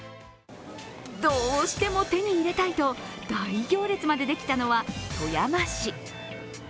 どうしても手に入れたいと大行列までできたのは富山市。